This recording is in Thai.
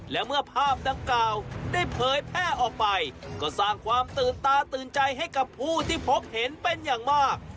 และเมื่อภาพดังกล่าวได้เผยแพร่ออกไปก็สร้างความตื่นตาตื่นใจให้กับผู้ที่พบเห็นเป็นอย่างมาก